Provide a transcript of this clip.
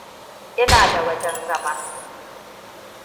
Ina da wajen zama.